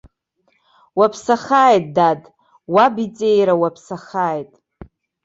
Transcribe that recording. Уаԥсахааит, дад, уаб иҵеира уаԥсахааит!